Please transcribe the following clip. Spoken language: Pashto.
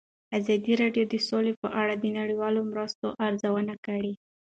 ازادي راډیو د سوله په اړه د نړیوالو مرستو ارزونه کړې.